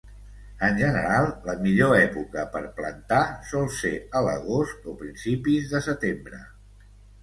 En general, la millor època per plantar sol ser a l'agost o principis de setembre.